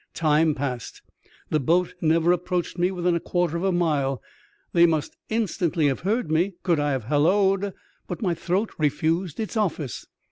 Time passed ; the boat never approached me within a quarter of a mile. They must instantly have heard me, could I have hallo'd ; but my throat refused its office.